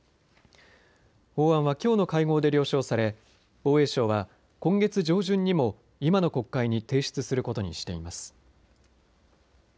法案はきょうの会合で了承され防衛省は今月上旬にも今の国会に提出することにしています。